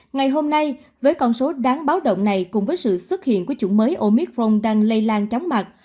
ngày hôm nay với con số đáng báo động này cùng với sự xuất hiện của chủng mới omicron đang lây lan chóng mặt